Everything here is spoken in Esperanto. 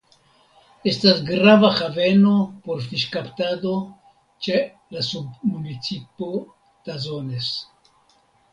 Estas grava haveno por fiŝkaptado ĉe la submunicipo Tazones.